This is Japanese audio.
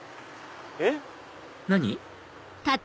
えっ？何？